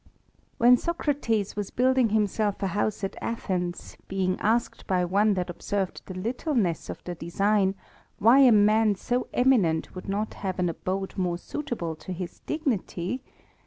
Tl T^HEN Socrates was building himself a house at ^^ Athens, being asked by one that observed the littleness of the design, why a man so eminent would not have an abode more suitable to his dignity?